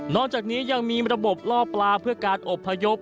จากนี้ยังมีระบบล่อปลาเพื่อการอบพยพ